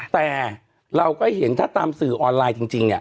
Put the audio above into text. แต่เราก็เห็นถ้าตามสื่อออนไลน์จริงเนี่ย